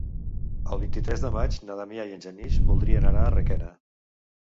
El vint-i-tres de maig na Damià i en Genís voldrien anar a Requena.